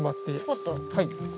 はい。